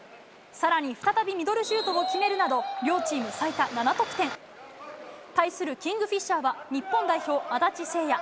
さらに再びミドルシュートを決めるなど、両チーム最多７得点。対するキングフィッシャーは日本代表、足立聖弥。